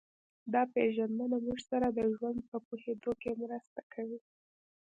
دا پېژندنه موږ سره د ژوند په پوهېدو کې مرسته کوي